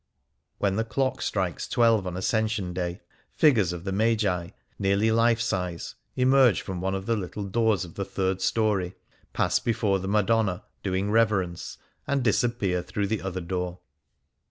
When the clock strikes twelve on Ascension Day, figures of the Magi, nearly life size, emerge from one of the little doors of the third story, pass before the Madonna, doing reverence, and disappear through the other door.